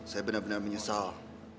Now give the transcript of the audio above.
saya benar benar menyesal